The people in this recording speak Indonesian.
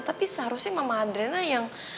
tapi seharusnya mama adrena yang